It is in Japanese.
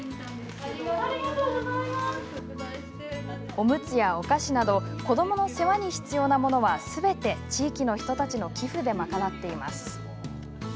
おむつやお菓子など子どもの世話に必要なものはすべて、地域の人たちの寄付で賄っています。